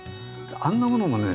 あんなものもね